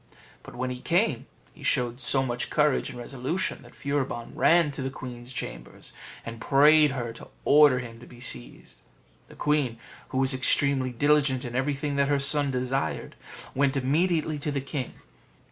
But when he came, he showed so much courage and resolution that Furibon ran to the queen's chamber, and prayed her to order him to be seized. The queen, who was extremely diligent in everything that her son desired, went immediately to the king.